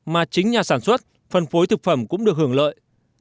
mà chính nhà sản xuất phân phối thực phẩm cũng được hưởng lợi